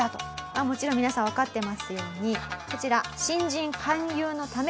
もちろん皆さんわかっていますようにこちら。